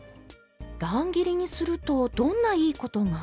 乱切りにするとどんないいことが？